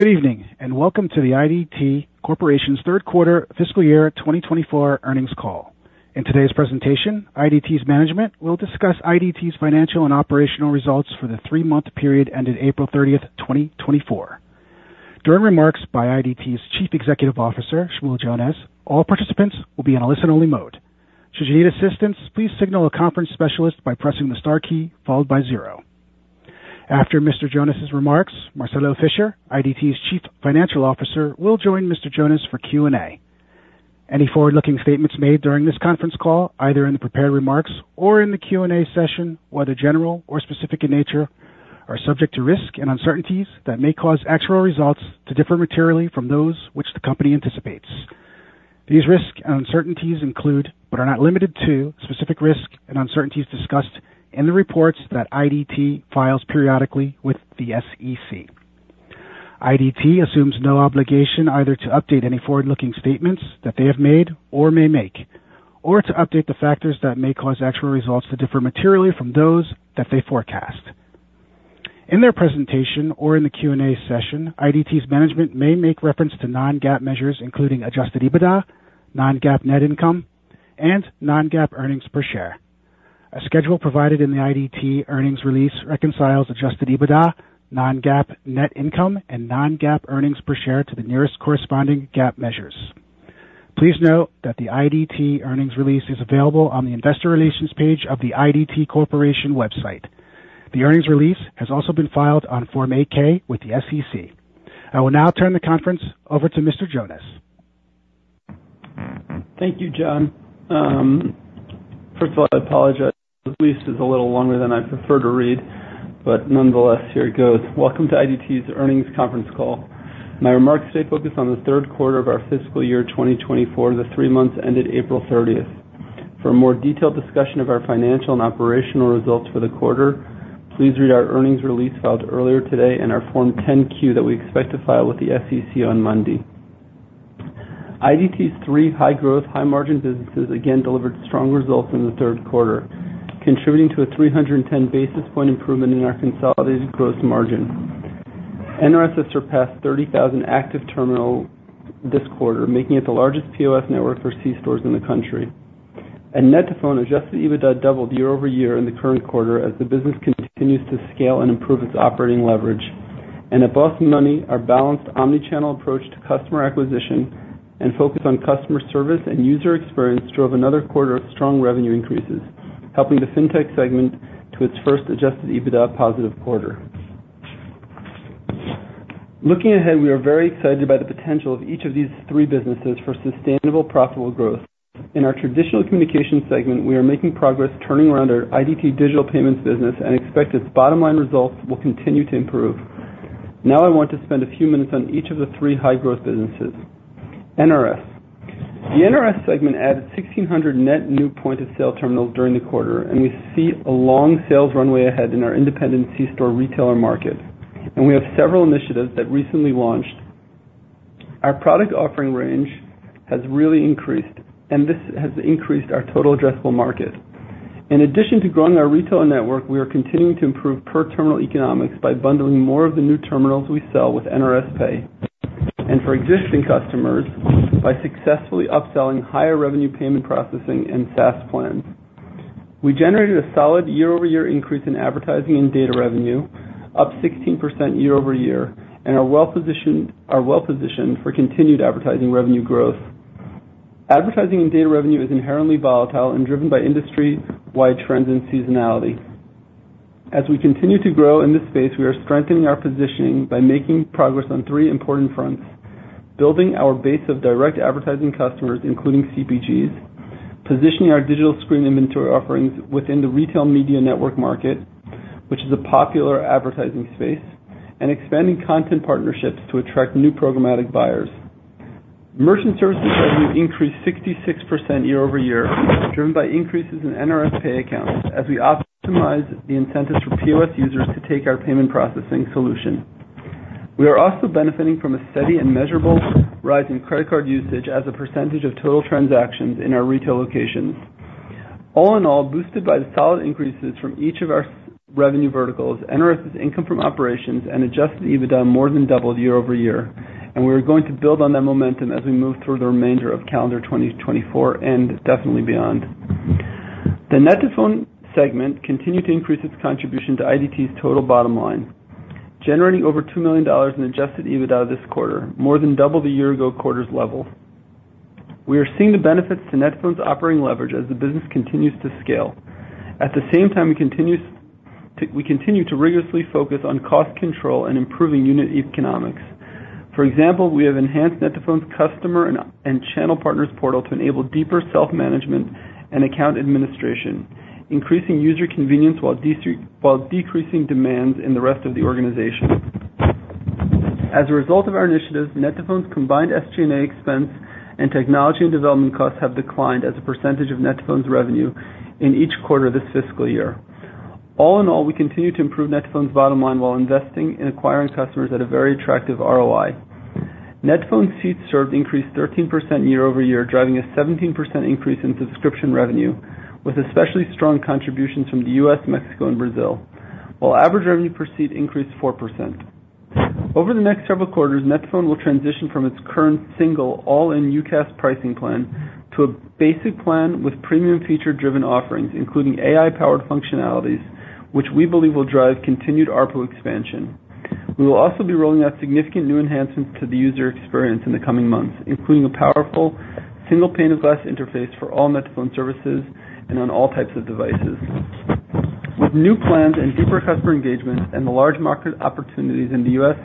Good evening, and welcome to the IDT Corporation's Third Quarter Fiscal Year 2024 Earnings Call. In today's presentation, IDT's management will discuss IDT's financial and operational results for the three-month period ended April 30, 2024. During remarks by IDT's Chief Executive Officer, Shmuel Jonas, all participants will be on a listen-only mode. Should you need assistance, please signal a conference specialist by pressing the star key followed by zero. After Mr. Jonas's remarks, Marcelo Fischer, IDT's Chief Financial Officer, will join Mr. Jonas for Q&A. Any forward-looking statements made during this conference call, either in the prepared remarks or in the Q&A session, whether general or specific in nature, are subject to risk and uncertainties that may cause actual results to differ materially from those which the company anticipates. These risks and uncertainties include, but are not limited to, specific risks and uncertainties discussed in the reports that IDT files periodically with the SEC. IDT assumes no obligation either to update any forward-looking statements that they have made or may make, or to update the factors that may cause actual results to differ materially from those that they forecast. In their presentation or in the Q&A session, IDT's management may make reference to non-GAAP measures, including adjusted EBITDA, non-GAAP net income, and non-GAAP earnings per share. A schedule provided in the IDT earnings release reconciles adjusted EBITDA, non-GAAP net income, and non-GAAP earnings per share to the nearest corresponding GAAP measures. Please note that the IDT earnings release is available on the investor relations page of the IDT Corporation website. The earnings release has also been filed on Form 8-K with the SEC. I will now turn the conference over to Mr. Jonas. Thank you, John. First of all, I apologize. The release is a little longer than I'd prefer to read, but nonetheless, here it goes. Welcome to IDT's earnings conference call. My remarks today focus on the third quarter of our fiscal year 2024, the three months ended April 30th. For a more detailed discussion of our financial and operational results for the quarter, please read our earnings release filed earlier today and our Form 10-Q that we expect to file with the SEC on Monday. IDT's three high-growth, high-margin businesses again delivered strong results in the third quarter, contributing to a 310 basis point improvement in our consolidated gross margin. NRS has surpassed 30,000 active terminals this quarter, making it the largest POS network for C-stores in the country. net2phone Adjusted EBITDA doubled year-over-year in the current quarter as the business continues to scale and improve its operating leverage. At Boss Money, our balanced omni-channel approach to customer acquisition and focus on customer service and user experience drove another quarter of strong revenue increases, helping the Fintech segment to its first Adjusted EBITDA positive quarter. Looking ahead, we are very excited by the potential of each of these three businesses for sustainable, profitable growth. In our traditional communication segment, we are making progress turning around our IDT Digital Payments business and expect its bottom-line results will continue to improve. Now, I want to spend a few minutes on each of the three high-growth businesses. NRS. The NRS segment added 1,600 net new point-of-sale terminals during the quarter, and we see a long sales runway ahead in our independent C-store retailer market, and we have several initiatives that recently launched. Our product offering range has really increased, and this has increased our total addressable market. In addition to growing our retailer network, we are continuing to improve per-terminal economics by bundling more of the new terminals we sell with NRS Pay, and for existing customers, by successfully upselling higher revenue payment processing and SaaS plans. We generated a solid year-over-year increase in advertising and data revenue, up 16% year-over-year, and are well positioned, are well positioned for continued advertising revenue growth. Advertising and data revenue is inherently volatile and driven by industry-wide trends and seasonality. As we continue to grow in this space, we are strengthening our positioning by making progress on three important fronts: building our base of direct advertising customers, including CPGs, positioning our digital screen inventory offerings within the retail media network market, which is a popular advertising space, and expanding content partnerships to attract new programmatic buyers. Merchant services revenue increased 66% year-over-year, driven by increases in NRS Pay accounts as we optimize the incentives for POS users to take our payment processing solution. We are also benefiting from a steady and measurable rise in credit card usage as a percentage of total transactions in our retail locations. All in all, boosted by the solid increases from each of our revenue verticals, NRS's income from operations and Adjusted EBITDA more than doubled year-over-year, and we are going to build on that momentum as we move through the remainder of calendar 2024 and definitely beyond. The net2phone segment continued to increase its contribution to IDT's total bottom line, generating over $2 million in Adjusted EBITDA this quarter, more than double the year-ago quarter's level. We are seeing the benefits to net2phone's operating leverage as the business continues to scale. At the same time, we continue to rigorously focus on cost control and improving unit economics. For example, we have enhanced net2phone's customer and channel partners portal to enable deeper self-management and account administration, increasing user convenience while decreasing demands in the rest of the organization. As a result of our initiatives, net2phone's combined SG&A expense and technology and development costs have declined as a percentage of net2phone's revenue in each quarter of this fiscal year. All in all, we continue to improve net2phone's bottom line while investing in acquiring customers at a very attractive ROI. net2phone seats served increased 13% year-over-year, driving a 17% increase in subscription revenue, with especially strong contributions from the U.S., Mexico and Brazil, while average revenue per seat increased 4%. Over the next several quarters, net2phone will transition from its current single all-in UCaaS pricing plan to a basic plan with premium feature-driven offerings, including AI-powered functionalities, which we believe will drive continued ARPU expansion. We will also be rolling out significant new enhancements to the user experience in the coming months, including a powerful single pane of glass interface for all net2phone services and on all types of devices. With new plans and deeper customer engagement and the large market opportunities in the U.S.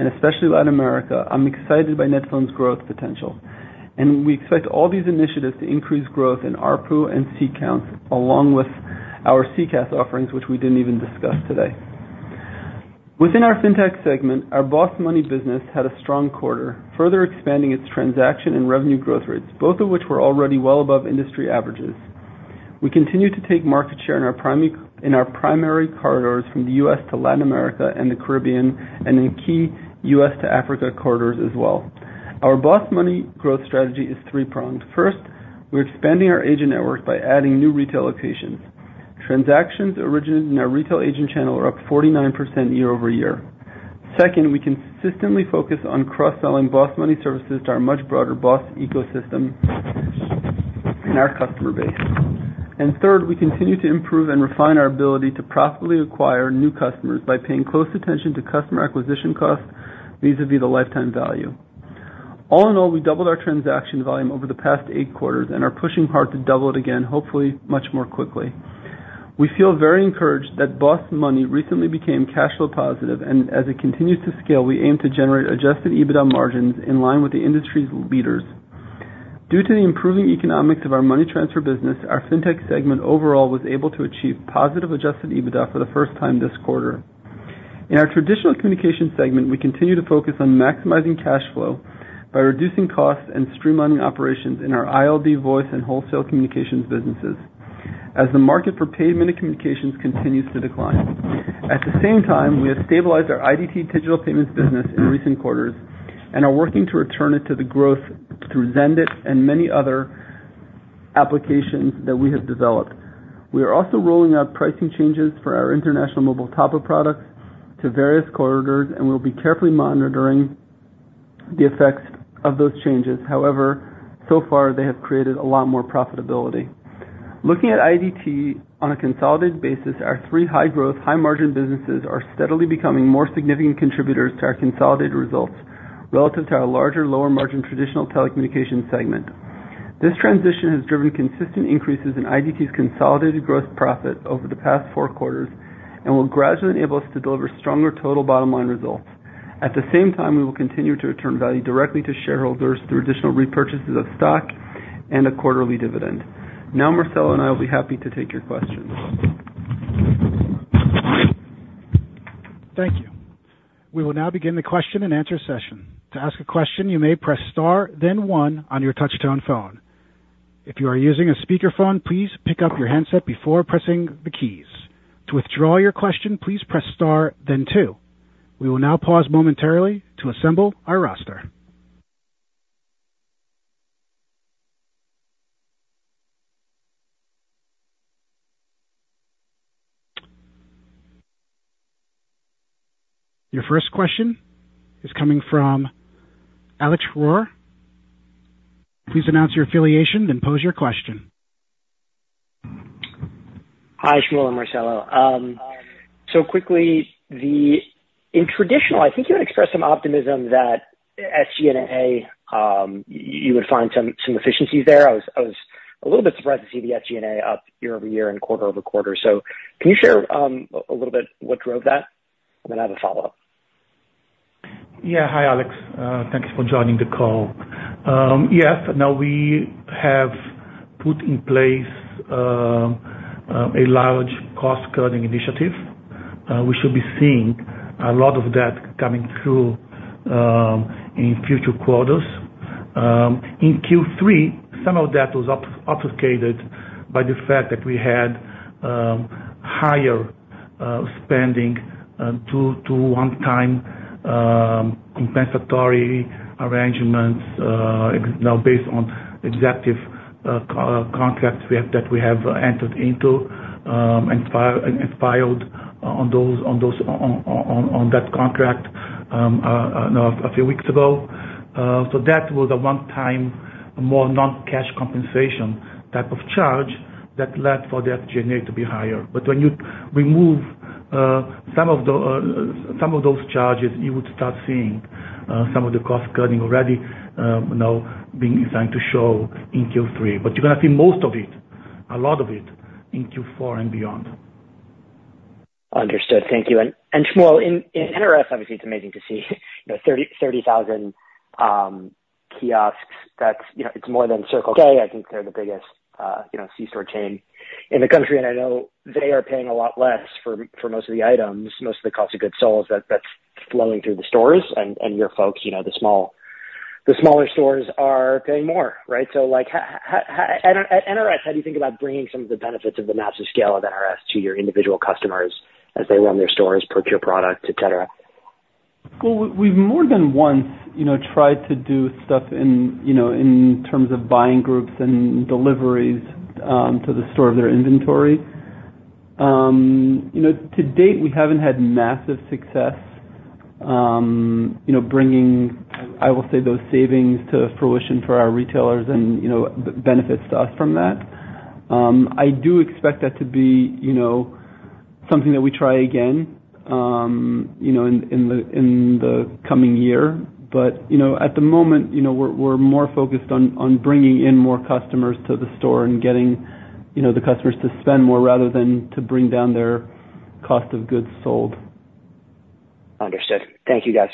and especially Latin America, I'm excited by net2phone's growth potential, and we expect all these initiatives to increase growth in ARPU and seat counts, along with our CCaaS offerings, which we didn't even discuss today. Within our Fintech segment, our Boss Money business had a strong quarter, further expanding its transaction and revenue growth rates, both of which were already well above industry averages. We continue to take market share in our primary corridors, from the U.S. to Latin America and the Caribbean, and in key U.S. to Africa corridors as well. Our Boss Money growth strategy is three-pronged. First, we're expanding our agent network by adding new retail locations. Transactions originated in our retail agent channel are up 49% year-over-year. Second, we consistently focus on cross-selling Boss Money services to our much broader Boss ecosystem in our customer base. And third, we continue to improve and refine our ability to profitably acquire new customers by paying close attention to customer acquisition costs, vis-a-vis the lifetime value. All in all, we doubled our transaction volume over the past 8 quarters and are pushing hard to double it again, hopefully much more quickly. We feel very encouraged that Boss Money recently became cash flow positive, and as it continues to scale, we aim to generate Adjusted EBITDA margins in line with the industry's leaders. Due to the improving economics of our money transfer business, our Fintech segment overall was able to achieve positive Adjusted EBITDA for the first time this quarter. In our traditional communication segment, we continue to focus on maximizing cash flow by reducing costs and streamlining operations in our ILD voice and wholesale communications businesses as the market for paid minute communications continues to decline. At the same time, we have stabilized our IDT Digital Payments business in recent quarters and are working to return it to the growth through Xendit and many other applications that we have developed. We are also rolling out pricing changes for our international mobile top-up products to various corridors, and we'll be carefully monitoring the effects of those changes. However, so far, they have created a lot more profitability. Looking at IDT on a consolidated basis, our three high-growth, high-margin businesses are steadily becoming more significant contributors to our consolidated results relative to our larger, lower-margin traditional telecommunication segment. This transition has driven consistent increases in IDT's consolidated gross profit over the past four quarters and will gradually enable us to deliver stronger total bottom-line results. At the same time, we will continue to return value directly to shareholders through additional repurchases of stock and a quarterly dividend. Now, Marcelo and I will be happy to take your questions. Thank you. We will now begin the question-and-answer session. To ask a question, you may press star, then one on your touchtone phone. If you are using a speakerphone, please pick up your handset before pressing the keys. To withdraw your question, please press star then two. We will now pause momentarily to assemble our roster. Your first question is coming from Alex Rohr. Please announce your affiliation, then pose your question. Hi, Shmuel and Marcelo. So quickly, in traditional, I think you had expressed some optimism that SG&A, you would find some efficiencies there. I was a little bit surprised to see the SG&A up year-over-year and quarter-over-quarter. So can you share a little bit what drove that? And then I have a follow-up. Yeah. Hi, Alex. Thank you for joining the call. Yes, now we have put in place a large cost-cutting initiative. We should be seeing a lot of that coming through in future quarters. In Q3, some of that was obfuscated by the fact that we had higher spending to one-time compensatory arrangements now based on executive contracts that we have entered into, and filed on those on that contract a few weeks ago. So that was a one-time more non-cash compensation type of charge that led for the SG&A to be higher. But when you remove some of the, some of those charges, you would start seeing some of the cost-cutting already now being designed to show in Q3. But you're gonna see most of it, a lot of it, in Q4 and beyond. Understood. Thank you. And Shmuel, in NRS, obviously, it's amazing to see you know, 30,000 kiosks. That's, you know, it's more than Circle K. I think they're the biggest, you know, C-store chain in the country, and I know they are paying a lot less for most of the items, most of the cost of goods sold that's flowing through the stores. And your folks, you know, the smaller stores are paying more, right? So, like, at NRS, how do you think about bringing some of the benefits of the massive scale of NRS to your individual customers as they run their stores, procure product, et cetera? Well, we've more than once, you know, tried to do stuff in, you know, in terms of buying groups and deliveries, to the store of their inventory. You know, to date, we haven't had massive success, you know, bringing, I will say, those savings to fruition for our retailers and, you know, benefits to us from that. I do expect that to be, you know, something that we try again, you know, in the coming year. But, you know, at the moment, you know, we're more focused on bringing in more customers to the store and getting, you know, the customers to spend more rather than to bring down their cost of goods sold. Understood. Thank you, guys.